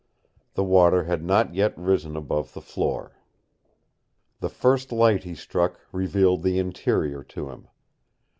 The water had not yet risen above the floor. The first light he struck revealed the interior to him.